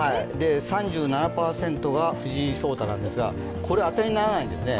３７％が藤井聡太なんですがこれは当てにならないんですね。